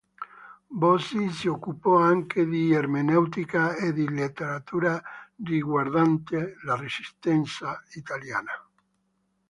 Bosi si occupò anche di ermeneutica e di letteratura riguardante la Resistenza italiana.